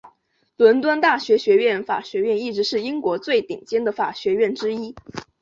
伦敦大学学院法学院一直是英国最顶尖的法学院之一。